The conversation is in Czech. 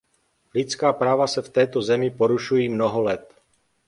Lidská práva se v této zemi porušují mnoho let.